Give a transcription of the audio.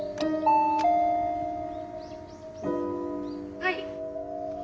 「はい」。